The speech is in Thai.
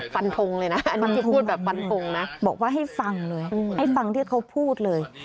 ฟันพุงเลยนะบอกว่าให้ฟังเลยให้ฟังที่เขาพูดเลย